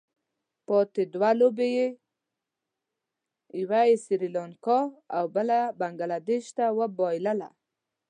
پاتې دوه لوبې یې یوه سري لانکا او بله بنګله دېش ته وبايلله.